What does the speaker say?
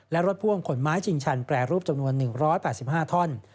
และรถพ่วงขนไม้ชิงชันแปรรูปจำนวน๑๘๕ท่อน